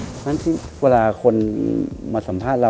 เพราะฉะนั้นเวลาคนมาสัมภาษณ์เรา